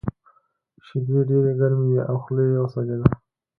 شیدې ډېرې ګرمې وې او خوله یې وسوځېده